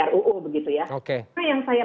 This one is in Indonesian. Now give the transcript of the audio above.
ruu begitu ya karena yang saya